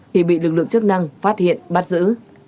thì bị lực lượng chức năng phát hiện bắt giữ